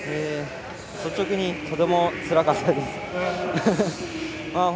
率直にとてもつらかったです。